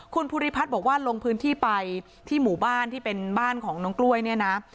คุณภูริพัฒน์บอกว่าลงพื้นที่ไปที่หมู่บ้านที่เป็นบ้านของน้องกล้วยเนี่ยนะ